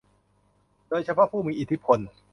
โดยเฉพาะผู้มีอิทธิพล